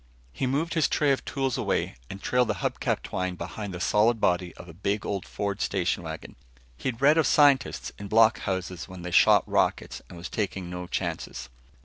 He moved his tray of tools away and trailed the hub cap twine behind the solid body of a big old Ford station wagon. He'd read of scientists in block houses when they shot rockets and was taking no chances.